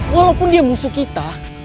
walaupun dia musuh kita